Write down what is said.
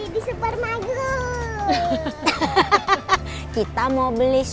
depan ruangan saya satu jam yang lalu